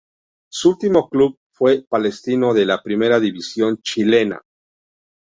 Su último club fue Palestino de la primera División chilena.